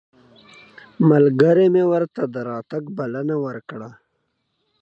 ملګري مې ورته د راتګ بلنه ورکړه.